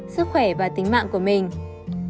sức khỏe và tính mạng của mình